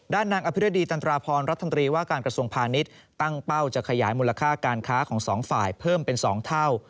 นางอภิรดีตันตราพรรัฐมนตรีว่าการกระทรวงพาณิชย์ตั้งเป้าจะขยายมูลค่าการค้าของสองฝ่ายเพิ่มเป็น๒เท่า